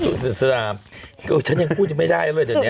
สื่อศิษยาฉันยังพูดไม่ได้เลยเดี๋ยวเนี้ย